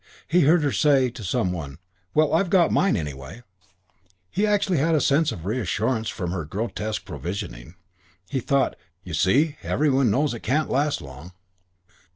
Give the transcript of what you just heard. He heard her say to some one, "Well, I've got mine, anyway." He actually had a sense of reassurance from her grotesque provisioning. He thought, "You see, every one knows it can't last long."